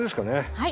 はい。